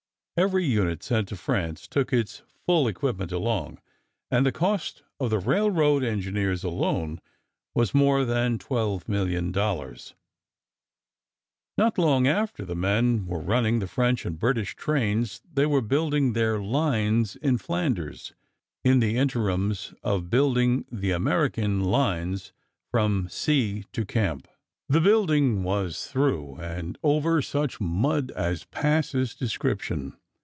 Every unit sent to France took its full equipment along, and the cost of the "railroad engineers" alone was more than $12,000,000. Not long after the men were running the French and British trains, they were building their lines in Flanders, in the interims of building the American lines from sea to camp. The building was through, and over, such mud as passes description.